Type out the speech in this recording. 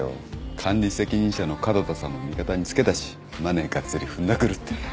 管理責任者の門田さんも味方に付けたしマネーがっつりふんだくるって。